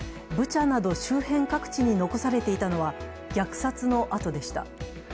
ブチヤなど周辺各地に残されていたのは、虐殺の跡でした。